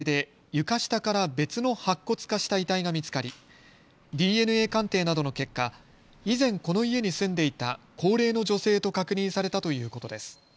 警察によりますと、この捜査の過程で床下から別の白骨化した遺体が見つかりＤＮＡ鑑定などの結果、以前、この家に住んでいた高齢の女性と確認されたということです。